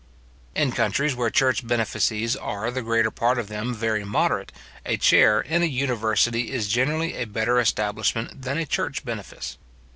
In countries where church benefices are, the greater part of them, very moderate, a chair in a university is generally a better establishment than a church benefice.